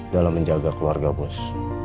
dalam menjaga keluarga bos